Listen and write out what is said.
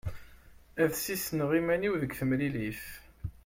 Ad d-ssisneɣ iman-iw deg temlilit.